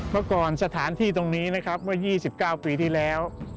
เมื่อก่อนสถานที่ตรงนี้นะครับเมื่อ๒๙ปีที่แล้ว